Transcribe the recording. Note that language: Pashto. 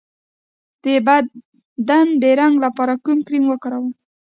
د بدن د رنګ لپاره کوم کریم وکاروم؟